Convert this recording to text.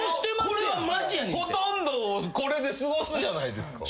ほとんどをこれで過ごすじゃないですか。